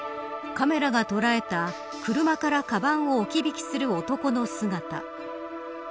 カメラが捉えた車からかばんを置き引きする男の姿。